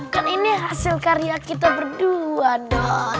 kan ini hasil karya kita berdua nih